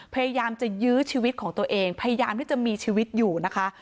พยายามจะยื้อชีวิตของตัวเองพยายามที่จะมีชีวิตอยู่นะคะ